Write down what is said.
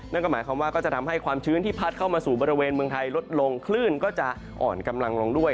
นั่นก็หมายความว่าก็จะทำให้ความชื้นที่พัดเข้ามาสู่บริเวณเมืองไทยลดลงคลื่นก็จะอ่อนกำลังลงด้วย